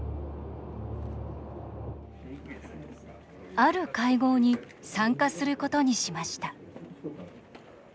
ある会合に参加することにしました。